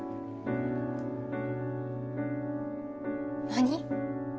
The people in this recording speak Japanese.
何？